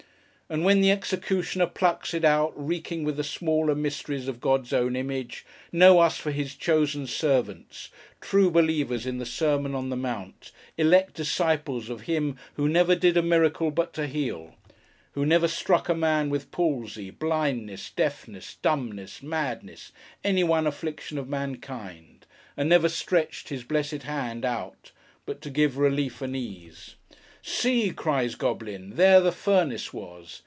And when the executioner plucks it out, reeking with the smaller mysteries of God's own Image, know us for His chosen servants, true believers in the Sermon on the Mount, elect disciples of Him who never did a miracle but to heal: who never struck a man with palsy, blindness, deafness, dumbness, madness, any one affliction of mankind; and never stretched His blessed hand out, but to give relief and ease! See! cries Goblin. There the furnace was.